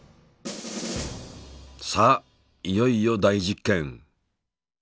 さあいよいよ大実験。